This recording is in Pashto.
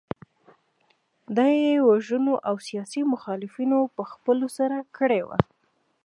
دا یې د وژنو او سیاسي مخالفینو په ځپلو سره کړې وه.